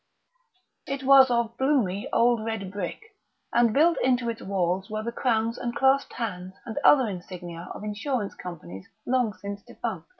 It was of bloomy old red brick, and built into its walls were the crowns and clasped hands and other insignia of insurance companies long since defunct.